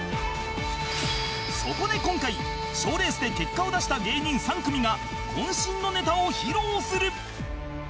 そこで今回賞レースで結果を出した芸人３組が渾身のネタを披露する